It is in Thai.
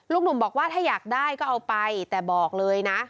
หนุ่มบอกว่าถ้าอยากได้ก็เอาไปแต่บอกเลยนะ